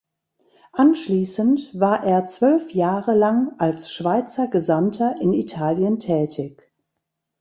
Anschliessend war er zwölf Jahre lang als Schweizer Gesandter in Italien tätig.